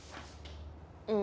うん。